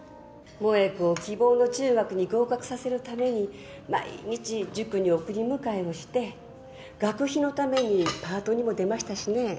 萠子を希望の中学に合格させるために毎日塾に送り迎えをして学費のためにパートにも出ましたしね。